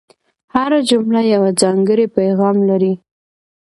هره جمله یو ځانګړی پیغام لري.